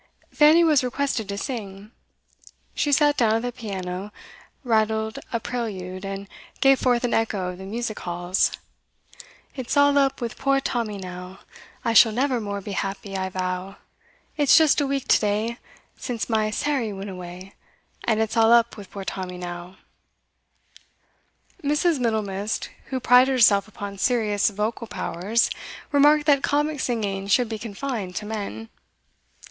Fanny was requested to sing. She sat down at the piano, rattled a prelude, and gave forth an echo of the music halls: '_It's all up with poor Tommy now. I shall never more be happy, I vow. It's just a week to day Since my Sairey went away, And it's all up with poor Tommy now_.' Mrs. Middlemist, who prided herself upon serious vocal powers, remarked that comic singing should be confined to men.